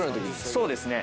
そうですね。